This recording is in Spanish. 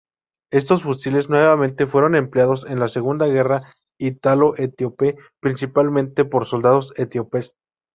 Estos fusiles nuevamente fueron empleados en la Segunda guerra ítalo-etíope, principalmente por soldados etíopes.